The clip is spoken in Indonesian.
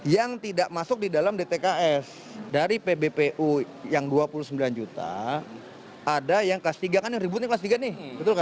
yang tidak masuk di dalam dtks dari pbpu yang dua puluh sembilan juta ada yang kelas tiga kan yang ributnya kelas tiga nih